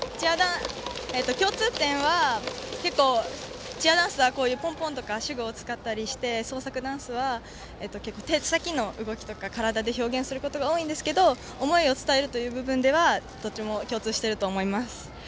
共通点はチアダンスはポンポンとかを使ったりして創作ダンスは手先の動きとか体で表現することが多いんですが思いを伝える部分ではどっちも共通していると思います。